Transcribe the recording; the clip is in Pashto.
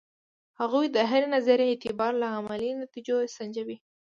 هغوی د هرې نظریې اعتبار له عملي نتیجو سنجوي.